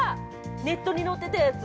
ネットに載ってたやつ。